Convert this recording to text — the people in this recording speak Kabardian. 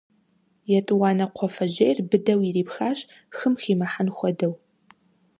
ЕтӀуанэ кхъуафэжьейр быдэу ирипхащ, хым химыхьэн хуэдэу.